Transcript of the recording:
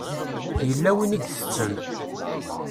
Yella win i itetten.